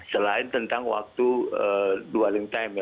selain tentang waktu dwelling time ya